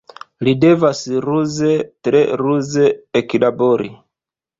Li devas ruze, tre ruze eklabori.